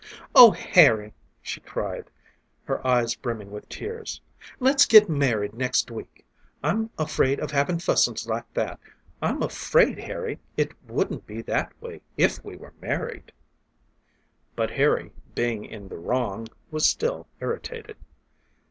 "Oh, Harry," she cried, her eyes brimming with tears; "let's get married next week. I'm afraid of having fusses like that. I'm afraid, Harry. It wouldn't be that way if we were married." But Harry, being in the wrong, was still irritated.